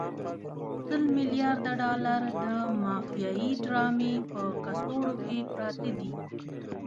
سل ملیارده ډالر د مافیایي ډرامې په کڅوړو کې پراته دي.